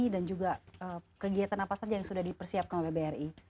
dan juga kegiatan apa saja yang sudah dipersiapkan oleh bri